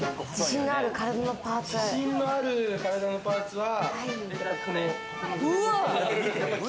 自信のある体のパーツは？